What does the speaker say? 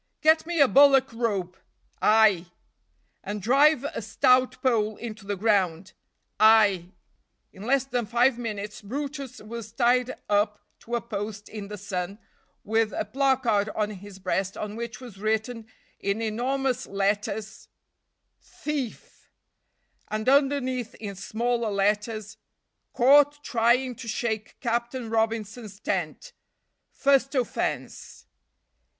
"Get me a bullock rope." "Ay!" "And drive a stout pole into the ground." "Ay!" In less than five minutes brutus was tied up to a post in the sun, with a placard on his breast on which was written in enormous letters THIEF (and underneath in smaller letters ) Caught trying to shake Captain Robinson's tent. First offense.